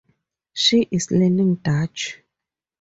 She is learning Dutch.